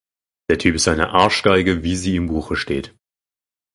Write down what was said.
Der Typ ist eine Arschgeige, wie sie im Buche steht.